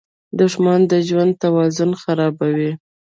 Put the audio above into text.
• دښمني د ژوند توازن خرابوي.